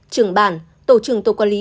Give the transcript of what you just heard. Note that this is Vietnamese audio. trường bản tổ trưởng tổ quản lý